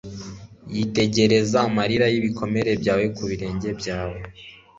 Yitegereza amarira yibikomere byawe ku birenge byawe